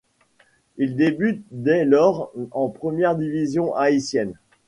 Il débute dès lors en première division haïtienne.